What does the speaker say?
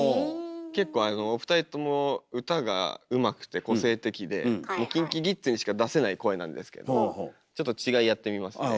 結構あのお二人とも歌がうまくて個性的でＫｉｎＫｉＫｉｄｓにしか出せない声なんですけどちょっと違いやってみますね。